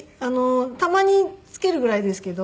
たまにつけるぐらいですけど。